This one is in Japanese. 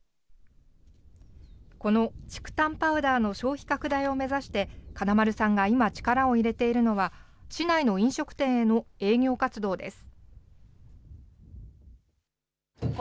この竹炭パウダーの消費拡大を目指して、金丸さんが今、力を入れているのは、市内の飲食店への営業活動です。